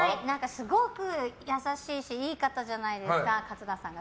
すごく優しいしいい方じゃないですか、桂さんが。